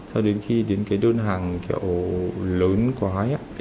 sau đến khi đến cái đơn hàng kiểu lớn quá